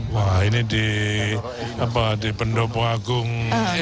wah ini di pendopo agung